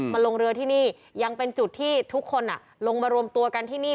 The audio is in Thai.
มาลงเรือที่นี่ยังเป็นจุดที่ทุกคนลงมารวมตัวกันที่นี่